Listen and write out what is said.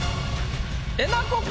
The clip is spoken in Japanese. えなこか？